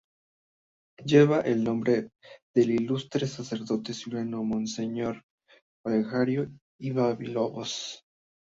Lleva el nombre del ilustre sacerdote zuliano Monseñor Olegario Villalobos.